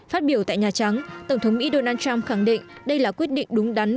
phát biểu tại nhà trắng tổng thống mỹ donald trump khẳng định đây là quyết định đúng đắn